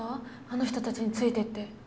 あの人たちについていって。